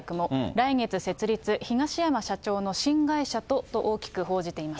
来月設立、東山社長の新会社とと大きく報じています。